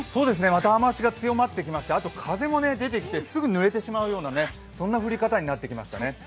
また雨脚が強まってきましてあと風も出てきてすぐぬれてしまうような、そんな降り方になってきましたね。